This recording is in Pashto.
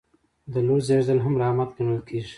د لور زیږیدل هم رحمت ګڼل کیږي.